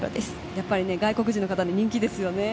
やはり外国人の方に人気ですよね。